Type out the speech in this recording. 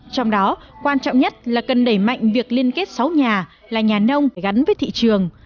trong đó quan trọng nhất là cần đẩy mạnh việc liên kết sáu nhà là nhà nông gắn với thị trường